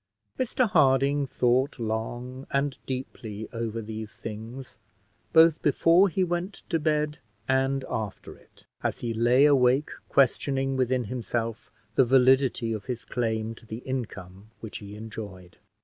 Mr Harding thought long and deeply over these things, both before he went to bed and after it, as he lay awake, questioning within himself the validity of his claim to the income which he enjoyed.